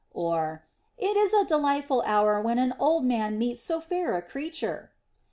or: "It is a delightful hour when an old man meets so fair a creature."